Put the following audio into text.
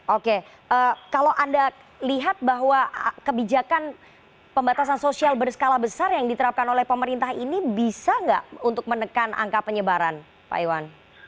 oke kalau anda lihat bahwa kebijakan pembatasan sosial berskala besar yang diterapkan oleh pemerintah ini bisa nggak untuk menekan angka penyebaran pak iwan